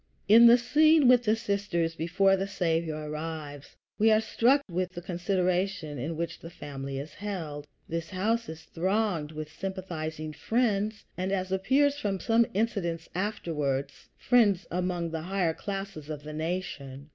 In the scene with the sisters before the Saviour arrives, we are struck with the consideration in which the family is held. This house is thronged with sympathizing friends, and, as appears from some incidents afterwards, friends among the higher classes of the nation.